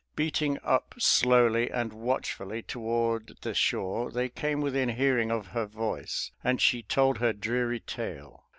Beating up slowly and watchfully toward the shore, they came within hearing of her voice and she told her dreary tale.